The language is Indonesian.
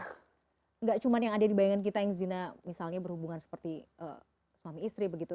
karena gak cuma yang ada di bayangan kita yang zina misalnya berhubungan seperti suami istri begitu